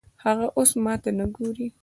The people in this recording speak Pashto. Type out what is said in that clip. هغه اوس ماته نه ګوري